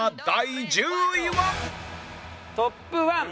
第１０位は？